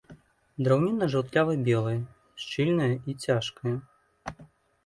Драўніна жаўтлява-белая, шчыльная і цяжкая.